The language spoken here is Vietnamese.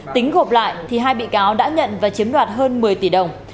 tính gộp lại thì hai bị cáo đã nhận và chiếm đoạt hơn một mươi tỷ đồng